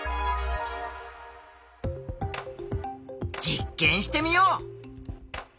実験してみよう。